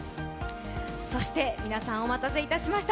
そして皆さん、お待たせいたしました。